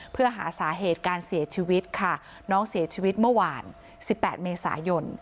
เพื่อหาสาเหตุการเสียชีวิตค่ะน้องเสียชีวิตเมื่อวาน๑๘เมษายน